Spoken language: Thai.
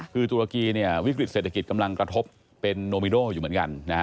คือตุรกีวิกฤตเศรษฐกิจกำลังกระทบเป็นโนมิโดอยู่เหมือนกัน